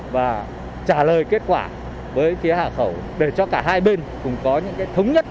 và trả lời kết quả với phía hạ khẩu để cho cả hai bên cùng có những thống nhất